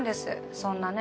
そんなね